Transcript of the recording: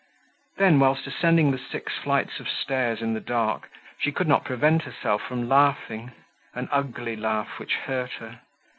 Then, whilst ascending the six flights of stairs in the dark, she could not prevent herself from laughing; an ugly laugh which hurt her.